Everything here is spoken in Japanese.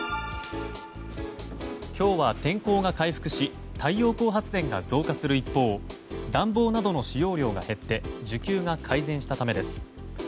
今日は天候が回復し太陽光発電が増加する一方暖房などの使用量が減って需給が改善したためです。